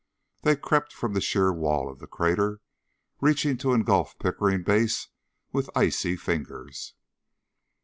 They crept out from the sheer wall of the crater, reaching to engulf Pickering Base with icy fingers.